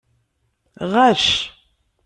Ɣacc.